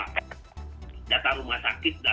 kan bisa juga data rumah sakit data penduduk